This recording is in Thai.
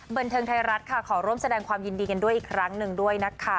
บันเทิงไทยรัฐค่ะขอร่วมแสดงความยินดีกันด้วยอีกครั้งหนึ่งด้วยนะคะ